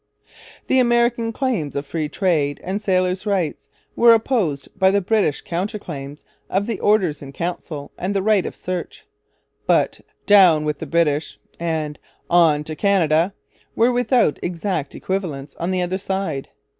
The American claims of 'Free Trade and Sailors' Rights' were opposed by the British counter claims of the Orders in Council and the Right of Search. But 'Down with the British' and 'On to Canada' were without exact equivalents on the other side.